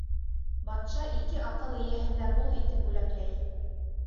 Батша ике аҡыл эйәһен дә мул итеп бүләкләй.